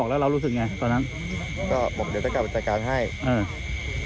อืมเล่าไว้ยังไงต่อ